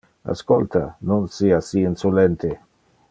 Ascolta! Non sia si insolente!